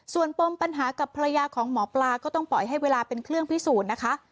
ส่วนปมปัญหากับภรรยาของหมอปลาก็ต้องปล่อยให้เวลาเป็นเครื่องพิสูจน์นะคะ